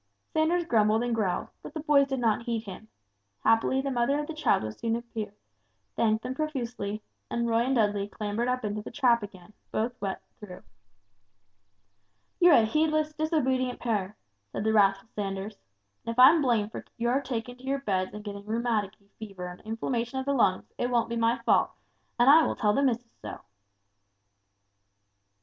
Sanders grumbled and growled, but the boys did not heed him. Happily the mother of the child soon appeared, thanked them profusely, and Roy and Dudley clambered up into the trap again, both wet through. "You're a heedless, disobedient pair," said the wrathful Sanders, "and if I'm blamed for your taking to your beds and gettin' rheumaticky fever and inflammation of the lungs, it won't be my fault, and I shall tell the missus so!"